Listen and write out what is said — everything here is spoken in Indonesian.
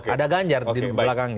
ada ganjar di belakangnya